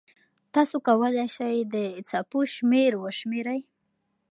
تاسو کولای سئ د څپو شمېر وشمېرئ.